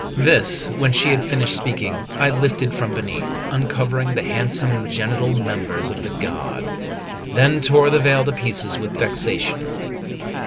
This, when she had finished speaking, I lifted from beneath, uncovering the handsome genital members of the god; then tore the veil to pieces with vexation.